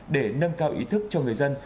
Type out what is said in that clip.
để nâng cao ý thức cho người dân